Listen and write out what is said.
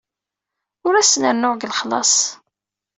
Ur asen-rennuɣ deg lexlaṣ.